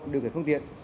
được phương tiện